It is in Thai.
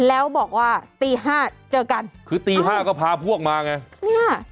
แล้วบอกว่าตีห้าเจอกันคือตีห้าก็พาพวกมาไงเนี่ย